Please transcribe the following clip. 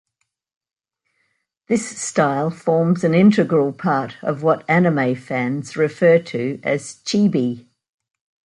This style forms an integral part of what anime fans refer to as chibi.